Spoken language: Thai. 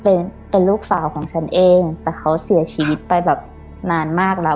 เป็นเป็นลูกสาวของฉันเองแต่เขาเสียชีวิตไปแบบนานมากแล้ว